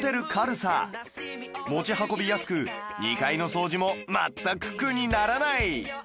持ち運びやすく２階の掃除も全く苦にならない